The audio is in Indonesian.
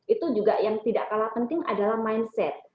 itu juga yang tidak kalah penting adalah mindset